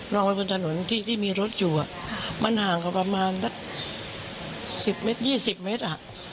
นอนไปบนถนนที่ที่มีรถอยู่อ่ะมันห่างกับประมาณสิบเมตรยี่สิบเมตรอ่ะ